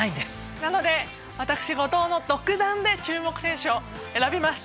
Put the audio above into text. なので私後藤の独断で注目選手を選びました。